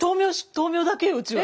豆苗だけようちは。